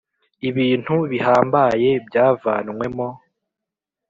Ibintu bihambaye byavanwemo.